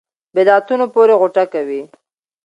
بدعتونو پورې غوټه کوي.